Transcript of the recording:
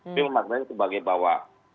ini memaksainya sebagai bahwa